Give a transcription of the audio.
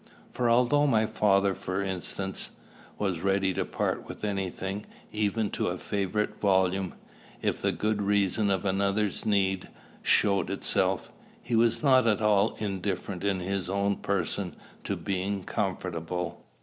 For although my father, for instance, was ready to part with any thing, even to a favorite volume, if the good reason of another's need showed itself, he was not at all indifferent in his own person to being comfortable.